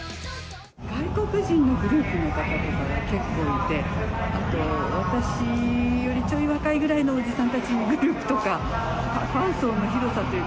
外国人のグループの方とかが結構いて、私よりちょい若いぐらいのおじさんたちのグループとか、ファン層の広さというか。